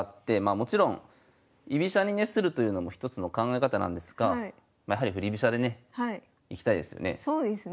もちろん居飛車にねするというのも一つの考え方なんですがやはり振り飛車でねいきたいですよね。